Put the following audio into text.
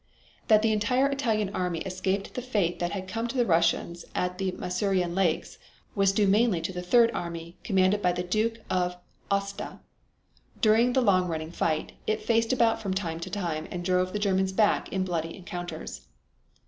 That the entire Italian army escaped the fate that had come to the Russians at the Masurian Lakes was due mainly to the third army commanded by the Duke of Aosta. During the long running fight, it faced about from time to time and drove the Germans back in bloody encounters.